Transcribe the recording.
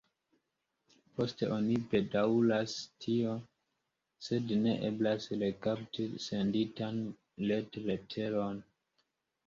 Poste oni bedaŭras tion, sed ne eblas rekapti senditan retleteron.